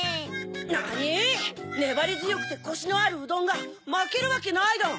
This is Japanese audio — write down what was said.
なに⁉ねばりづよくてコシのあるうどんがまけるわけないどん。